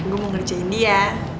gua mau ngerjain dia